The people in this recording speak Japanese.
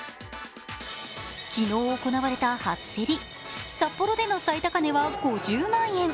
昨日行われた初競り札幌での最高値は５０万円。